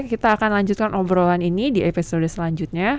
kita akan lanjutkan obrolan ini di episode selanjutnya